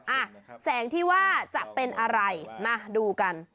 อ่ะแสงที่ว่าจะเป็นอะไรมาดูกัน